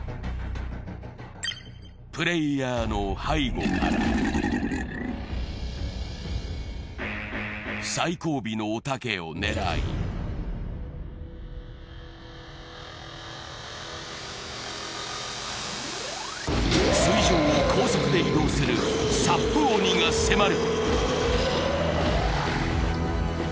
プレイヤーの背後から最後尾のおたけを狙い水上を高速で移動するサップ鬼が迫る。